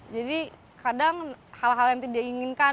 jadi kadang hal hal yang tidak inginkan